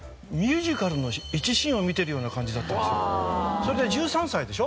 それで１３歳でしょ？